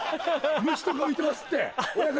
虫とか浮いてますって親方！